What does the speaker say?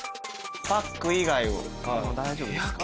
パック以外大丈夫ですか？